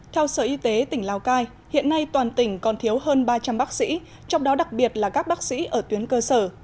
theo sở y tế tỉnh lào cai hiện nay toàn tỉnh còn thiếu hơn ba trăm linh bác sĩ trong đó đặc biệt là các bác sĩ ở tuyến cơ sở